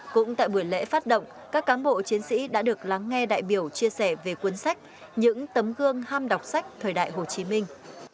cũng tại buổi lễ phát động các cán bộ chiến sĩ đã được lắng nghe đại biểu chia sẻ về cuốn sách những tấm gương ham đọc sách thời đại hồ chí minh